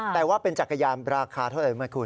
แต่ว่าเป็นจักรยานราคาเท่าไหร่ไหมคุณ